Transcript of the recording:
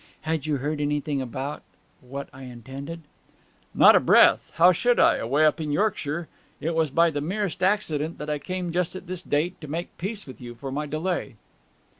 Had you heard anything about what I intended?' 'Not a breath how should I away up in Yorkshire? It was by the merest accident that I came just at this date to make peace with you for my delay.'